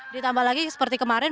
ditambah lagi seperti kemarin